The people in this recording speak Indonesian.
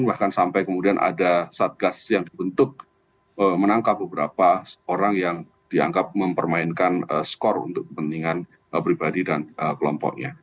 bahkan sampai kemudian ada satgas yang dibentuk menangkap beberapa orang yang dianggap mempermainkan skor untuk kepentingan pribadi dan kelompoknya